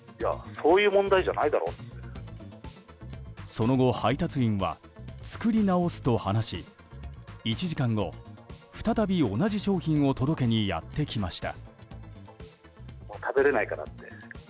その後、配達員は作り直すと話し１時間後、再び同じ商品を届けにやってきました。